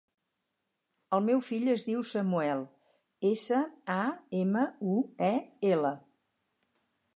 El meu fill es diu Samuel: essa, a, ema, u, e, ela.